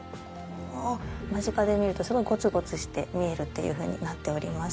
間近で見るとすごいゴツゴツして見えるというふうになっております。